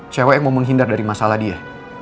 cewek yang mau menghindar dari masalah dia